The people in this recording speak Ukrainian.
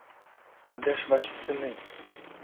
А де ж ваші сини?